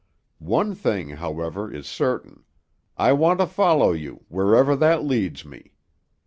One thing, however, is certain; I want to follow you, wherever that leads me.